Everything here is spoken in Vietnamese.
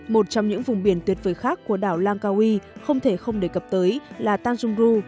một trong những vùng biển tuyệt vời khác của đảo langkawi không thể không đề cập tới là tanzong ru